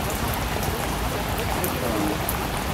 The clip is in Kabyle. Sqecren-t.